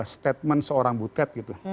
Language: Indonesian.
statement seorang butet gitu